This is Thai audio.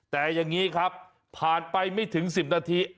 แต่อย่างนี้ครับผ่านไปไม่ถึง๑๐นาที